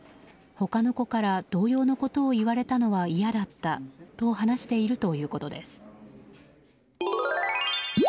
他の子から同様のことを言われたのは嫌だったと話しているということです。